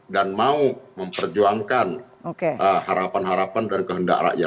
dan mau memperjuangkan harapan harapan dan kehendak rakyat